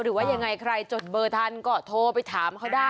หรือว่ายังไงใครจดเบอร์ทันก็โทรไปถามเขาได้